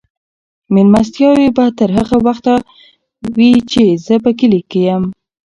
مېلمستیاوې به تر هغه وخته وي چې زه په کلي کې یم.